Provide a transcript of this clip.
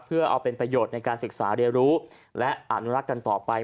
เพื่อเอาเป็นประโยชน์ในการศึกษาเรียนรู้และอนุรักษ์กันต่อไป